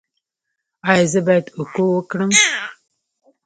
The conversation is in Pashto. ایا زه باید اکو وکړم؟